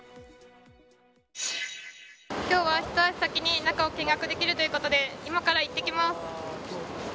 今日は一足先に中を見学できるということで今から行ってきます。